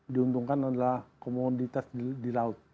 diuntungkan adalah komoditas di laut